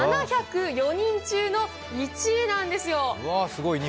７０４人中の１位なんですよ。